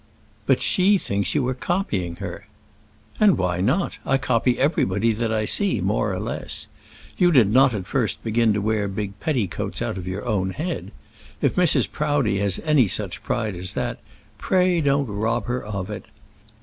"But she thinks you are copying her." "And why not? I copy everybody that I see, more or less. You did not at first begin to wear big petticoats out of your own head? If Mrs. Proudie has any such pride as that, pray don't rob her of it.